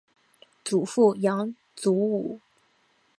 祖父杨祖武。